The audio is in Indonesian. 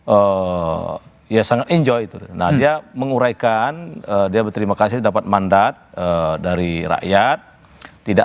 oh ya sangat enjoy itu nah dia menguraikan dia berterima kasih dapat mandat dari rakyat tidak